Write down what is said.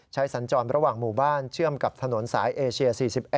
สัญจรระหว่างหมู่บ้านเชื่อมกับถนนสายเอเชีย๔๑